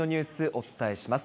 お伝えします。